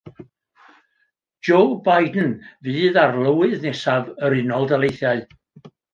Joe Biden fydd arlywydd nesaf yr Unol Daleithiau.